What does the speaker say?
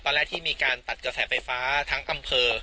ตอนแรกที่มีการตัดกระแสไฟฟ้าทั้งอำเภอ